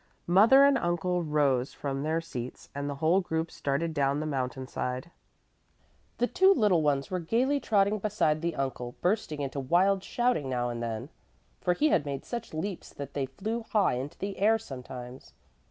Mother and uncle rose from their seats and the whole group started down the mountainside. The two little ones were gaily trotting beside the uncle, bursting into wild shouting now and then, for he made such leaps that they flew high into the air sometimes.